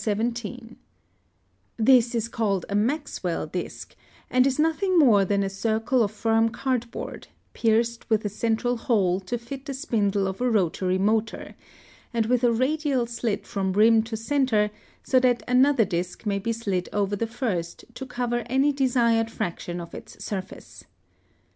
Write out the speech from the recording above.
17). (107) This is called a Maxwell disc, and is nothing more than a circle of firm cardboard, pierced with a central hole to fit the spindle of a rotary motor, and with a radial slit from rim to centre, so that another disc may be slid over the first to cover any desired fraction of its surface.